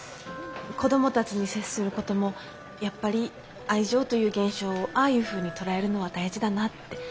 子供たちに接することもやっぱり愛情という現象をああいうふうに捉えるのは大事だなって。